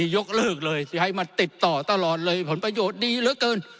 ยกเลิกเลยให้มาติดต่อตลอดเลยผลประโยชน์ดีเหลือเกิน